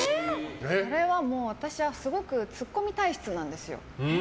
これは、私はすごくツッコミ体質なんですよ。